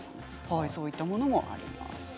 そういったものもあります。